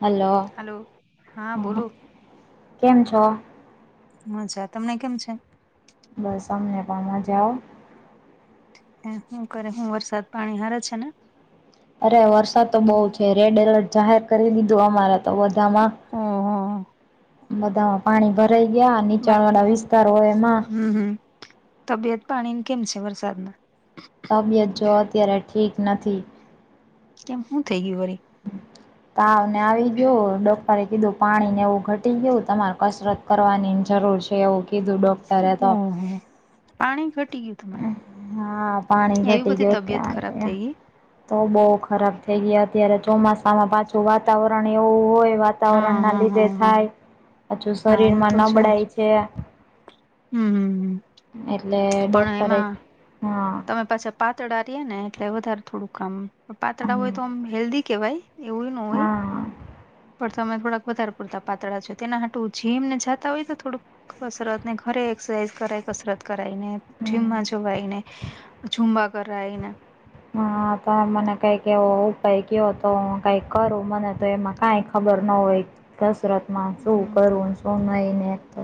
Hello hello હા હ બોલો કેમ છો. મજા તમને કેમ છે. બસ અમને પણ મજા હો એ શું કરે હું વરસાદ પાણી હારા છેને. અરે વરસાદ તો બહુ છે, રેડ એલર્ટ જાહેર કરી દીધું અમારે તો બધામા હ હા બધામાં પાણી ભરાઈ ગયા, નીચાણ વાળા વિસ્તાર હોય એમા હમ્મ તબિયત પાણી કેમ છે, વરસાદના તબિયત જો અત્યારે ઠીક નથી. કેમ શું થઇ ગયુ વરી તાવને આવી ગયો ડોક્ટરે કીધુ પાણી, ને એવું ઘટી ગયું તમાર કસરત કરવાની જરૂર છે, એવુ કે ઓહ પાણી ઘટી ગયુ હા પાણી ઘટી બધી ગયુ, તબિયત ખરાબ એટલે થઈ ગઈ તો બહુ ખરાબ થઈ ગયા અત્યારે ચોમાસામાં પાછું વાતાવરણ એવું હોય, વાત હા વાતાવરણ ના હા લીધે હા હા થાય હજુ હા એ શરીર માં નબળાય છે. હમ હમ એટલે પણ ડોક્ટરે એમાં હા તમે પાછા પાતળા રિયાને એટલે વધારે થોડુંક કામ આમ પાતળા હોય તો આમ હેલ્ધી કેવાય એવું ન હોય હા પણ તમે થોડાક વધારે પૂરતા પાતળા છો તેના માટે જિમને જાતા હોય તો થોડુંક કસરત ને ઘરે એક્સરસાઇઝ કરાય કસરત કરાઈને જીમમાં જવાયને ઝુંમબા કરવા એને હ તો મને કઈક એ ઉપાય ક્યો તો કઈક કરું મને તો એમાં કંઈક ખબર ન હોય કસરતમાં શું હમ કરવુંને શું નહીં ને એમતો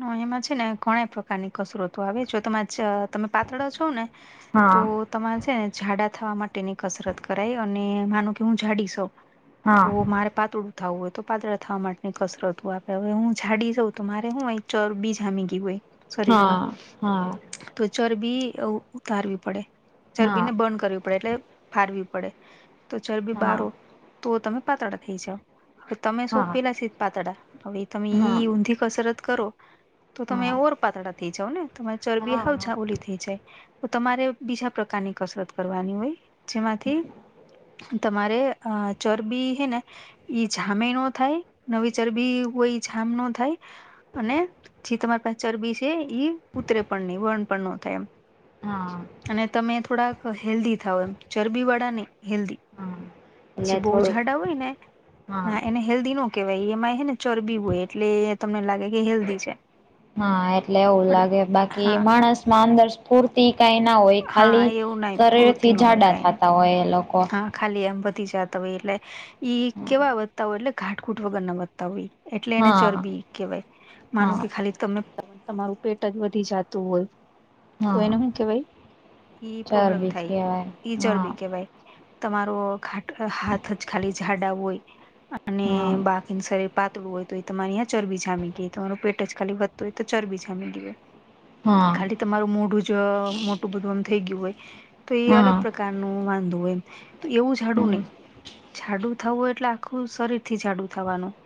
હ એમાં છે ને ઘણા પ્રકારની કસરતો આવે જો તમા તમે પાતળો છો ને તો હા તમારે છે ને જાડા થવા માટેની કસરત કરાય અને માનું કે હું જાડી શઉ હા તો મારે પાતળું થાવ હોય તો પાતળા થવા માટેની કસરત આપે હવે હું જાડી સવ તો મારે હું અહી ચરબી જામી ગય હોય હા શરીરમાં હા તો ચરબી ઉતારવી પડે ચરબી હા ને બર્ન કરવી પડે એટલે ફારવી પડે તો ચરબી હા બારો તો તમે પાતળા થઈ જાવ. તમે સો હા પેલાથી જ પાતળા હવે તમે ઈ હા ઊંધી કસરત કરો તો તમે ઓર પાતળા થઇ જાવ ને તમારે ચરબી હા હા હાવ ઓલી થઈ જાય. તો તમારે બીજા પ્રકારની કસરત કરવાની હોય જેમાંથી તમારે અ ચરબી હૈ ને ઈ જામે ન થાય નવી ચરબી હોય જામ ન થાય અને જે તમારી પાસે ચરબી છે એ ઉતરે પણ નહી બર્ન પણ ન થાય એમ હા અને તમે થોડાક હેલ્ધી થાવ એમ ચરબીવાળા નહીં હેલ્ધી હા એટલે પછી બહુ થોડુંક ઝાડા હોય ને હા ના એને હેલ્ધી નો કેવાય એમાં હે ને ચરબી હોય એટલે તમને લાગે કે હેલ્ધી છે. હા એટલે એવું પણ લાગે બાકી હા માણસ માં અંદર સ્ફૂર્તિ કઈ ના હોય હા ખાલી એવું નહી શરીર થી પૂરતી ન હોય જાડા કઈ નઈ થતા હોય એ લોકો હા ખાલી એમ વધી જતા હોય એટલે ઈ કેવા વધતા હોય એટલે ઘાટઘૂટ વગર ના વધતા હોય. એટલે એને હા ચરબી કેવાય માનું હા કે ખાલી તમે તમારું પેટ જ વધી જતું હોય તો હા એને શું કેવાય ઈ પ્રોબ્લેમ ચરબીજ થાય કહેવાય એ હા ચરબી કેવાય તમારો ઘાટ હાથ જ ખાલી જાડા હોય અને હા બાકીન શરીર પાતળું હોય તો હો તમારીયાં ચરબી જામી ગઈ તમાર પેટ જ ખાલી વધતું હોય તો ચરબી જામી ગઈ હોય હા ખાલી તમારું મોઢું જ મોટું બધું આમ થઈ ગયું હોય તો એ હા અલગ પ્રકાર [unintelligible] હોય એવું જાડુ નઈ હા જાડુ કા થવું એટલે આખું શરીર થી જાડું થવાનું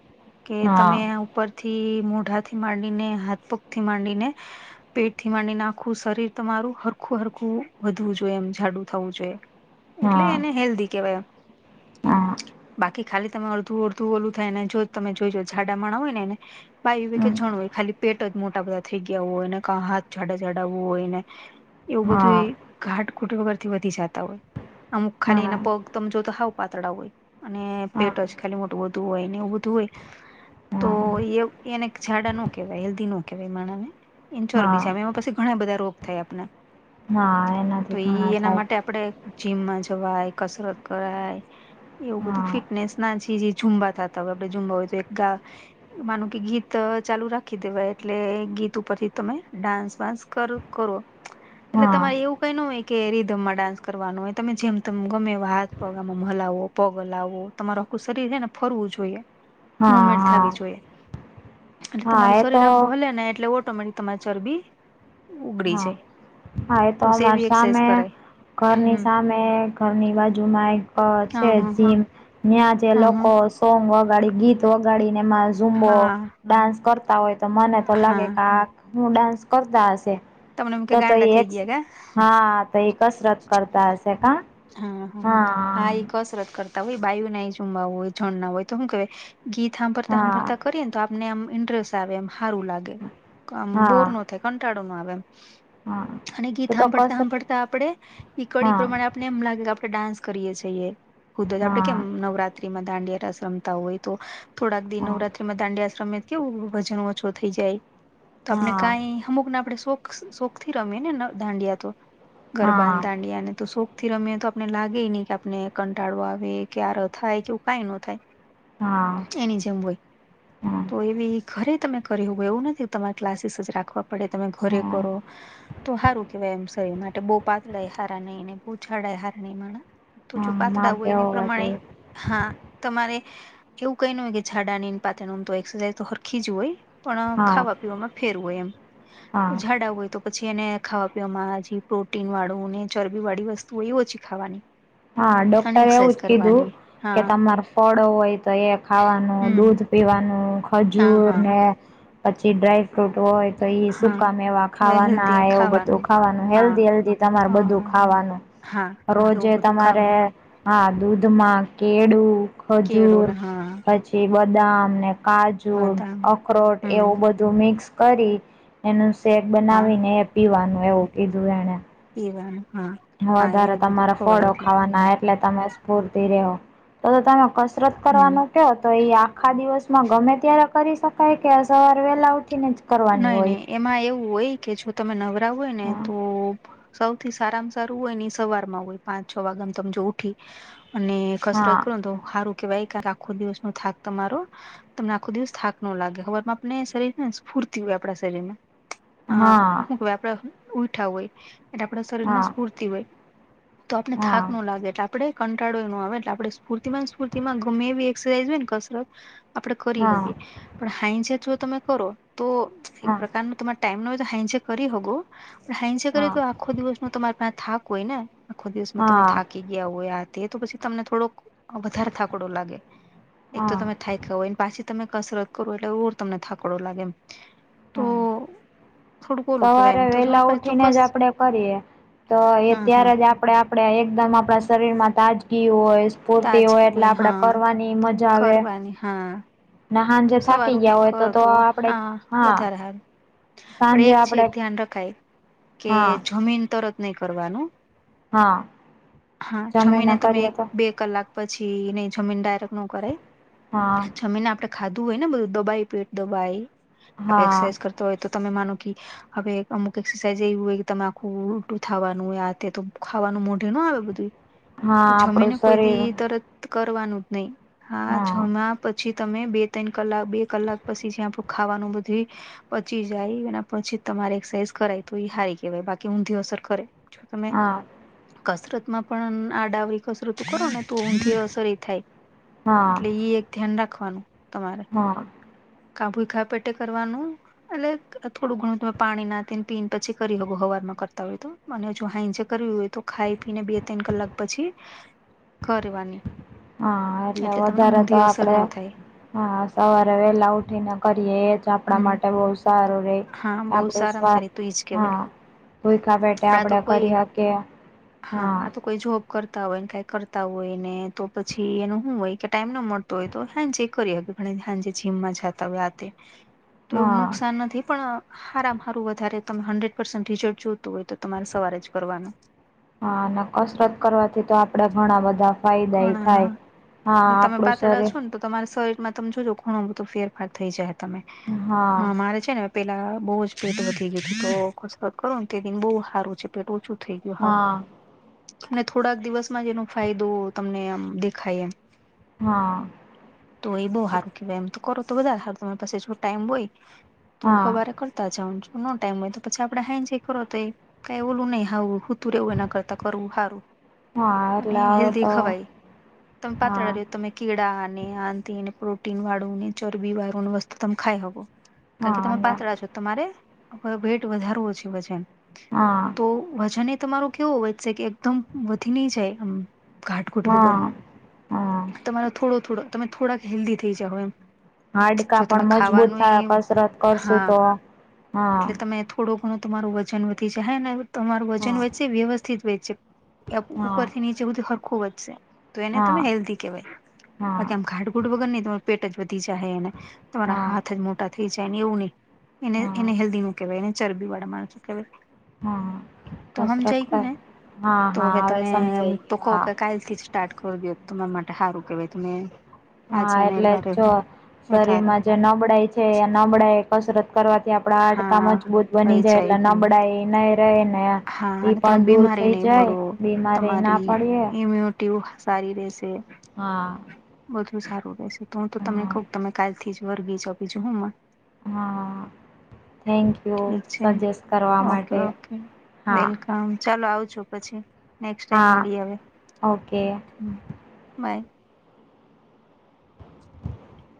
કે હા તમે ઉપર થી મોઢાથી માંડીને હાથપગ થી માંડીને પેટ થી માંડી ને આખુ શરીર તમારું હ આખું હરખું વધવું જોઈએ એમ જાડુ થવું જોઈએ એટલે હા હા એને હેલ્ધી કેવાય એમ હા બાકી ખાલી તમે અડધું અડધું ઓલું થાય ને જો તમે જોજો ઝાડા માણા હોય નેને ભાઈ કે જણવું હોય ખાલી પેટ જ મોટા બધા થઈ ગયા હોય ને ક હાથ જાડા ચડાવવું હોય ને એવું બધું હા એ ઘાટ ઘુટ પરરથી વધી જતા હોય અમુક ખાલી એના પગ ત જો તો સાાવ પાતળા હોય અને પેટ જ ખાલી મોટું વધુ હોય ને એવું બધું હોય તો હા એ એને ાડા ન કેવાય હેલ્ધી નો કવાય મા ને એ ચોર હા બીજા એમાં પછી ઘણા બધા રોગ થયા આપણા ના એના તો ઈ એના માટે આપડે જીમમાં જવાય કસરત કરાય એવું બધું હા ફિટનેસ ના છે જે ઝુંબા થતા હોય આપડણે ઝુંબા હોય તો એક ગા માનું કે ગીત ચાલુ રાખી દેવાય એટલે ગીત ઉપરથી તમે ડાન્સ વાન્સ કર કરો એટલે હા તમારે એવું કઈ હોય કે રીધમમાં ડાન્સ કરવાનું હોય તમે જેમ ત ગમે હાથ પગમાં હલાવો પગ હલાવો તમારે આખું શરીર છે ને ફરવું જોઈએ હા મુમેન્ટ હા થ જોઈએ એટલે હા તમારું એ શરીર તો આખું હલે ને એટલે પ્રમાણે તમામાચર બી ઉગડી હા જાય હા એ તો બસ અમાર એવી એક્સરસાઇઝ સામે કરાય ઘરની હમ સામે ઘરની બાજુમાં એક હા છે હા હા જીમ અયા જે હા હા લોકોઅં સોંગ વગાડી ગીત વગાડીને એમાં ઝુંબો હા ડાન્સ કરતા હોય તો મને તો લાગે હા કે આા હું ડાન્સ કરતા હશે તમને એમ કે તો તો ગાંડા એ થઈ એક ગયા કા હા તો એ કસરત કરતા હશે કા હા હા હા એ કસરત કરતા હોય બાયુ ના એ જમમા હોય જણ ના હોય તો શું કેવાય ગીત સાંભરતા હા સાંભરતા કરીએ ને તો આપને આમ ઇન્ટરેસ્ટ આવે એમ સારું લાગે તો આમ હા બોર ન કટાળો ન આવે એમ હા અને ગીત તો તો સાંભળતા કસરત સાંભળતા આપણેે કડી હા પ્રમાણે આપને એમ લાગે કે આપડણે ડાન્સ કરીએે છીએ ખુદ આપડે હા કેમ નવરા માં દાંડ આશ્રમ હોય તો થોડાક દ હા નવરાત્રીમાં દાંડીયા આશ્રમ કેવું વજન ઓછો થઈ જાય તો આપને હા કઈ અમુકને આપણે શોખ શોખ થી રમીએ ને દાંડિયા તો હા ગરબા દાંડિયાને તો શોખ થી રમે્યા તો આપને લાગે નહી કે આપને કંટાળો આવે ક્યારે થાય કેવું કઈ ન થાય હા એની જેમ હોય હા તો એવી ઘરે તમે કર હો હોય એવું નથી તમારે ક્લાસીસ જ રાખવા પડે તમે ઘરે હા કરો તો સારું કેવાય એમ શરીર માટે બહુ પાતળા હારા નહી બહછાડાય હારણીમાં તો હા જો પાતળ હોુંય માફિયા એને હોવા પ્રમાણે જોઈએ હા તમારે એવું કઈ ન હોય કે જાડાની પાત્ર નમ તો એક્સરસાઇઝ તો સરરખી જ હોય પણ હા ખાવા પીમાં ફેરવું હોય એમ હા ઝાડા હોય તો પછી એને ખાવા પીવાવામાં પ્રોટીન વાળું ને ચરબી વાળી વસ્તુ હો એ પછી ખાવાની હા અને ડોક્ટરે એવું એક્સરસાઇઝ જ કીધું કરવાની કે હા તમાર ફળો હોય તો એ ખાવાનું હમ દૂધ પીવાનું હા ખજૂર હા ને પછી ડ્રાય ફ્રૂટ હોય તો ઈ હા સુકા મે એવા ખાવાના હેલ્ધી એવું બધું ખાવાનું ખાવાનું હા હેલ્ધી હેલ્ધી તમારે હા બધું હા ખાવાનું હા એવ બ- રે હ દૂધમાં કેળું કેળું ખજૂર ને હા નથી પછી બદામ ને કાજુ બદામ અખરોટ હમ એવું બધું મિક્સ કરી એનું શેક બનાવીને એ પીવાનું એવું કીધું એને એ હા હા વધારે એવું બધું તમારા ખવાય ફળો એટલે ખાવાના એટલે તમે સ્ફૂર્તિ રહો તો તમે કશ કસરત હમ કરવાનો તો એ આખા દિવસમાં ગમે ત્યારે કરી શકાય કે સવાર વેલા ઉઠી ને જ કરવાની નઈ હોય? નહી એમાં એવું હોય કે જો તમે નવરા હોય ને હા, તો સૌથી સારામાં સારું હોય ને સવાર માં હોય પાંચ છ વાગેમાં તજ ઉઠી અને હા, કસરત કર હારું કે ભાઈ આખો દિવસ નો થાક તમારો તમને આખો દિવસ થાક નો લાગે ખબરમાં આપને શરીર ને ફૂરતી હોય આપણા શરીર માં હા, હ શું આપડા ઉઊઠા હોય એટલે આપણા શરીર હા, માં સ્ફૂર્તિ હોય તો આપને થાક હા, ન લાગે એટલે આપણે કંટાળો એો આવે એટલે આપણે સ્ફૂર્તિ સ્ફૂર્તિમાં ગમે એવી એક્સરસાઝ હોય ને કસરત આપડણે કરી હા, શકીએ પણ હાાઈજત જો તમે કરો તો એક હા, પ્રકારનું તમારે ટાઈમ નો હોય તો હાઈંસે કરી હોગો પણ હાઈંસે કરી તો હા, આખો દિવસ ન તમારી પાસે થાક હોય ને આખો દિવસમાં તમે હા. થાકી ગયા હોય આ તે તો પછી તમને થોડોક વધારે થાકડો લાગે એક તો હા તમે થાય ખ હોયને પાછી તમે કસરત કરો એટલેવું તમને થાકડો લાગે એમ હા તો થોડુંક ઓલું કેવાય સવારે એમ તો વેલા તમારી પાસે ઉઠીને જ ચોક્કસ આપડે કરીએ તો એ હા હા ત્યારે જ આપડે આપણે એકદમ આપણા શરીરમાં તાજગી હોય પૂરતી હોય તાજગી એટલે આપડે હા કરવાની મજા આવે કરવાની હા ને ત હાંજે સવાર થાકી ગયા ઉઠીન હોય કરો તો આપડે હા વધારે હારૂ પણ સાંજે એક છે આપડે એક ધ્યાન રખાય કે હા જમીન તરત નહી કરવાનું હા હા છ મહિને જમીને તમે કરીએ તો બે કલાક પછીને જમીન ડાયરેક ન કરે હા જમીન આપણે ખાધું હોય ને બધું દબાય પેટ દબાય આપ હા એક્સરસાઝ કરતા હોય તો તમે માનો કે હવે અમુક એક્સરસાઇઝ એવી હોય કે તમે આખું ઉલટું થાવાનું હોય આ તે તો ખાવાનું મોઢે ન આવે બધું હા તો આપડું જમિને કોઈ શરીર દી તર કરવાનું જ નહી હા જમ્યા પછી તમે બે ત્રણ કલાક બે કલાક પછી જ્યા આપું ખાવાનું બધું પછી જાય એના પછી તમારે એક્સરસાઝ કરાય તો એ સારી કેહેવાય બાકી ઊંધી અસર કરે જો તમે હા કસરત પણ આ ડાવરી કસરત કરો ને તો ઊઘી અસર એ થાય હા એટલે એક ધ્યાન રાખવાનું તમારે હમ કા ભુઈ ખા પેટે કરવાનું એટલે થોડું ઘણું તમે પાણી નાને પીને પછી કરી શકો હવાર માં કરતા હોય તો. અને જો હાઇજે કરવી હોય તો ખાઈ વીને બે ત્રન કલાક પછી કરવાની હા એટલે તમને વધારે તો ઊંધી અસર આપડે ન થાય હા સવારે વેલા ઉઠીને કરીએ એજ આપણા હમ માટે બહું સારું રે હા બહુ આપણું સારામાં સ્વાદ સારી તો એજ હા કેહેવાય ભોઈકા પેટે આપડા તો આપડે કોઈ કરી શકીએ હા આ તો કોઈ જોબ કરતા હોય ને કઈ કરતા હોય ને તો પછી એનું શું હોય કે ટાઈમ ના મળતો હોય તો હાઈંજે કરી હાંજે જીમ માં જાતા હોય તો આતે [inaudible] તો એવું નુકસાન નથી. પણ હારમાં હારું વધારે તમે હંડ્રેડ પર્સન્ટ રિઝલ્ટ જોતું હોય તો તમારે સવારે જ કરવાનું હા અને કસરત કરવાથી તો આપડે ઘણા બધા ફાયદા એ ઘણા હા થાય હા એટલે તમે આપડું પાતળા શ છો ને તો તમારા શરીરમાં તમે જોજો ઘણો બધું ફેરફાર થઈ જાય તમે હા મારે છે ને પેલા બહુ જ પેટ વધી ગયું તો કસરત કરો ને તેથીને બહુ સારું છે પેટ ઓછું થઈ ગું હ હા અને થોડાક દિવસમાં જ એનો ફાયદો તમને આમ દેખાય એમ હા તો એ બહુ સારું કેવાય એમ તો કરો તો બધા સારું તમારી પાસે જો ટાઈમ હોય તું હા હવારે કરતા જાઉ છ નો ટાઈમ હોય તો પછી આપડે હા જ કરો તો કઈ ઓલું નહી હાવ તરવું એના કરતા કરવું સારું હા અને એટલે હવે હેલ્ધી તો ખવાય તમે હા પાતળા ર તમે કેળા ને આંતને પ્રોટીનવાળું ને ચરબીવાળું વસ્તુ તમે ખાઈ હકો. કારણ હા કે તમે અને પાતળા છો તમારે વેઇટ વધારવો છે વજન. હા તો વજન એ તમારું કેવું વધશે કે એકદમ વધી નહી જાય એમ. ઘાટઘૂટ હા વગરનો હા તમારો થોડો થોડો તમે થોડાક હેલ્ધી થઈ જાહો એમ. હાડકા જો તમે પણ મજબૂત ખાવાનું થાય ઈ કસરત કરશું હા તો હા એટલે તમે થોડો ઘણું તમારું વજન વધી જહે ને તમારું વજન હા વચ્ચે વ્યવસ્થિત વે હા ઉપરથી નીચે બધું સરખું વધશે તો એને હા તમે હેલ્ધી કેહેવાય હા બાકી આમ ઘા ઘાટ ઘૂંટ વગર ની તમારું પેટ જ વધી જાહે એને તમારા હા હાથ જ મો ટા થઈ જાય એને એવું નહી એને હા એને હેલ્ધી ન કેહેવાય એને ચરબી વાળા માણસો કેહેવાય. હા તો કસરત હમજાઈ ગયુ કર ને હા તો હા હવે તમે હું સમજાઈ તો ગયું કઉ હા કે કાલથી જ સ્ટાર્ટ કર દયો તમારા માટે સારું કેહેવાય તમે આજ હા જાન્યુઆરી એટલે જો વારે વધારે શરીરમાં જે નબળાઈ છે એ નબળાઈ એ કસરત કરવાથી આપડા હાડકા હા મજબૂત બની વહી જાય એટલે ન બળાઈ નઈ રહે ને હા ઈ અને તમે પણ દૂર બીમારી થઈ નહી જાય પડો બીમારી ના તમારી પડીએ ઇમ્યુન ટી હો સારી રેહશે. હા. બધુ સારું રહેશે તો હું તો તમને હા કઉ તમે કાલથી જ વર્ગી જાવ બીજું હુંમાં હા થેન્કયુ ઠીક છે સજેસ્ટ કરવા માટે હા. હ ચાલો આવજો પછી નેક્સ્ટ ટાઈમ હા મળી આવે ઓકે હ. બાય.